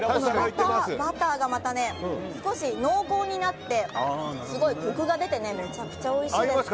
バターが少し濃厚になってすごいコクが出てめちゃくちゃおいしいです。